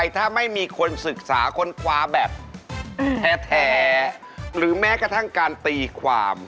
แท้หรือแม้กระทั่งการตีความ